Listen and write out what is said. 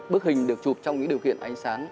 bức hình được chụp trong những điều kiện ánh sáng